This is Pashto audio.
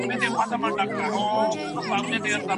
دغه حاجي دونه تېز دی چي په رښتیا چي نېکمرغي رسوی.